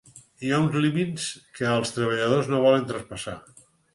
Hi ha uns límits que els treballadors no volen traspassar.